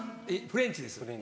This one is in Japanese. フレンチです。